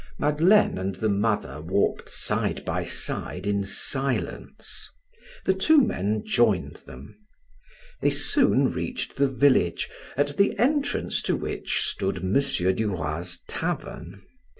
Madeleine and the mother walked side by side in silence; the two men joined them. They soon reached the village, at the entrance to which stood M. Duroy's tavern.